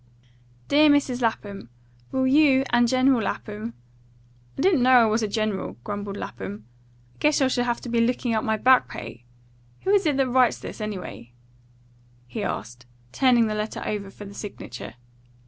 "DEAR MRS. LAPHAM: "Will you and General Lapham " "I didn't know I was a general," grumbled Lapham. "I guess I shall have to be looking up my back pay. Who is it writes this, anyway?" he asked, turning the letter over for the signature.